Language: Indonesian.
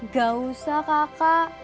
gak usah kakak